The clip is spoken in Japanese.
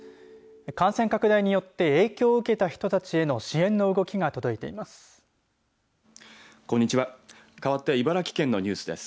感染拡大によって影響を受けた人たちへの支援の動きが届いています。